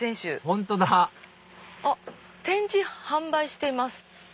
本当だ「展示・販売しています」。